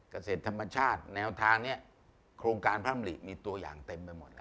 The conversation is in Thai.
เกษตรธรรมชาติแนวทางนี้โครงการพระอำริมีตัวอย่างเต็มไปหมดแล้ว